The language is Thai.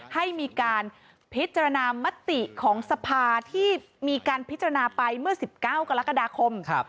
ให้มีการพิจารณามติของสภาที่มีการพิจารณาไปเมื่อ๑๙กรกฎาคม